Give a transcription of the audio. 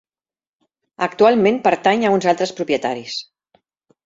Actualment pertanys a uns altres propietaris.